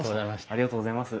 ありがとうございます。